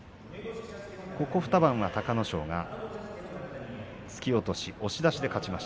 ここ２番は隆の勝が突き落とし、押し出しで勝っています。